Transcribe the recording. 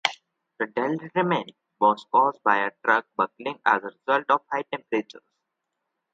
The derailment was caused by a track buckling as a result of high temperatures.